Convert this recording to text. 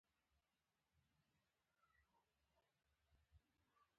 یو په مخکني سېټ کې له موټروان سره.